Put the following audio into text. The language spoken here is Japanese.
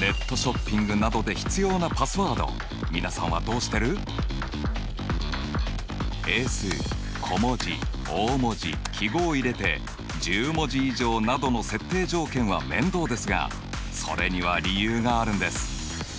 ネットショッピングなどで必要なパスワード皆さんはどうしてる？を入れて１０文字以上などの設定条件は面倒ですがそれには理由があるんです。